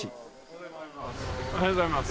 おはようございます。